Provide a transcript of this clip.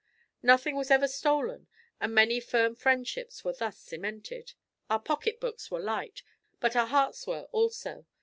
Nothing was ever stolen and many firm friendships were thus cemented. Our pocketbooks were light, but our hearts were also.